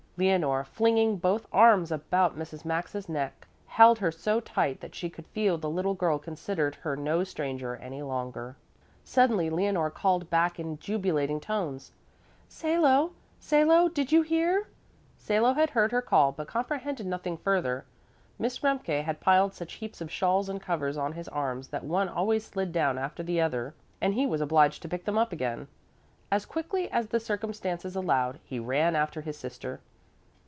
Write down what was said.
Leonore, flinging both arms about Mrs. Maxa's neck, held her so tight that she could feel the little girl considered her no stranger any longer. Suddenly Leonore called back in jubilating tones, "Salo, Salo, did you hear?" Salo had heard her call but comprehended nothing further. Miss Remke had piled such heaps of shawls and covers on his arms that one always slid down after the other and he was obliged to pick them up again. As quickly as the circumstances allowed, he ran after his sister.